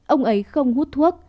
ông ấy không hút thuốc